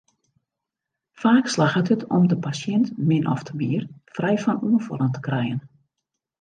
Faak slagget it om de pasjint min ofte mear frij fan oanfallen te krijen.